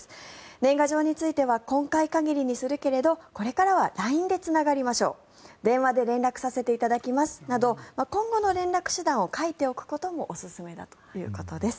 年賀状については今回限りにするけれどこれからはＬＩＮＥでつながりましょう電話で連絡させていただきますなど今後の連絡手段を書いておくこともおすすめだということです。